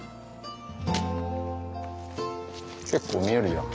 結構見えるじゃん。